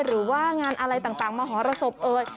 หรือว่างานอะไรต่างมหรสบเอ่ย